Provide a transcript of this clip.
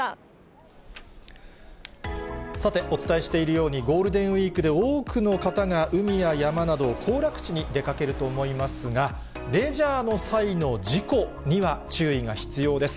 さて、お伝えしているようにゴールデンウィークで多くの方が海や山など、行楽地に出かけると思いますが、レジャーの際の事故には注意が必要です。